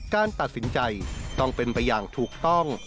การตัดสินใจต้องเป็นไปอย่างถูกต้อง